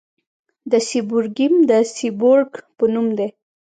د سیبورګیم د سیبورګ په نوم دی.